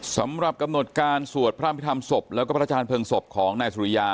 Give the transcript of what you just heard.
สำหรับกำหนดการสวดพระอภิษฐรรมศพแล้วก็พระอาจารย์เพลิงศพของนายสุริยา